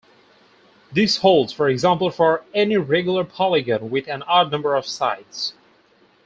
This holds, for example, for any regular polygon with an odd number of sides.